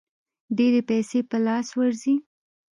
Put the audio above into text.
ډېرې پیسې په لاس ورځي.